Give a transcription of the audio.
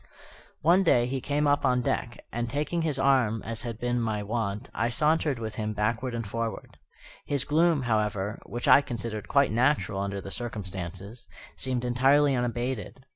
One day he came up on deck, and, taking his arm as had been my wont, I sauntered with him backward and forward. His gloom, however (which I considered quite natural under the circumstances), seemed entirely unabated.